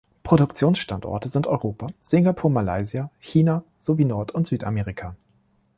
Produktionsstandorte sind Europa, Singapur, Malaysia, China sowie Nord- und Südamerika.